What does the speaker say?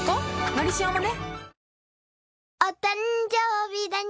「のりしお」もね